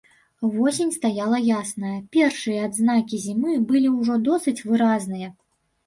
Восень стаяла ясная, першыя адзнакі зімы былі ўжо досыць выразныя.